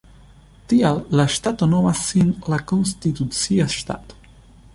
Tial la ŝtato nomas sin "La Konstitucia Ŝtato".